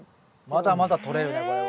まだまだとれるねこれは。